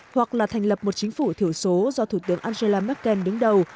hoặc là thành lập một chính phủ thiểu số do thủ tướng angela merkel đứng đầu